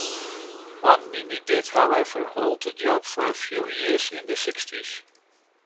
One Mimi did, however, hold the job for a few years in the sixties.